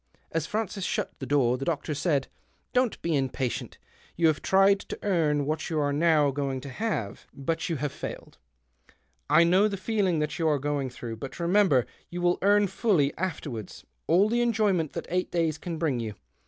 As Francis shut the door, the doctor said —" Don't be impatient. You have tried to earn what you are now going to have, but THE OCTAVE OF CLAUDIUS. 117 you have failed. I know the feeling that you are going through. But remember you will earn fully, afterwards, all the enjoyment that eight days can bring you.